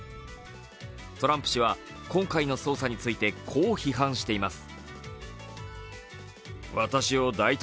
トランプ氏は今回の捜査について、こう批判しています。